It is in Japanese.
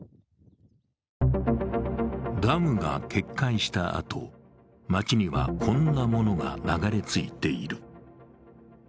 ダムが決壊したあと、街にはこんなものが流れ着いている。